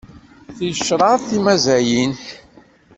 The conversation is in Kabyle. Ticraḍ timazzayin.